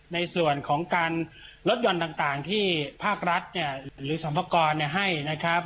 ในส่วนของการลดหย่อนต่างที่ภาครัฐหรือสรรพากรให้นะครับ